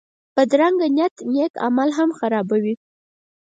بدرنګه نیت نېک عمل هم خرابوي